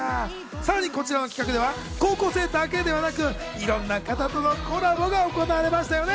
さらに、こちらの企画では高校生だけではなく、いろんな方とのコラボが行われましたよね。